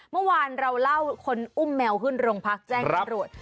เมื่อวานเราเล่าคนอุ้มแมวขึ้นโรงพักแจ้งตำรวจ